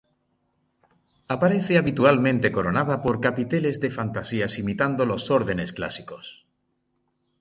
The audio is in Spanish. Aparece habitualmente coronada por capiteles de fantasías imitando los órdenes clásicos.